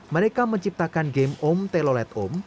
mereka menciptakan game om telolet om